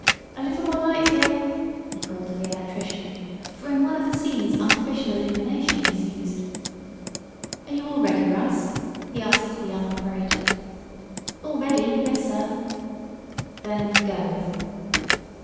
A little more light here!" he called to the electrician, for in one of the scenes artificial illumination was used. "Are you all ready, Russ?" he asked the young operator. "All ready; yes, sir!" "Then go!"